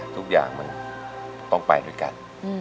ทุกอย่างมันต้องไปด้วยกัน